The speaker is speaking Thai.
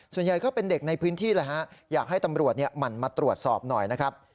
ส่วนใหญ่ก็เป็นเด็กในพื้นที่แหละฮะอยากให้ตำรวจหมั่นมาตรวจสอบหน่อยนะครับ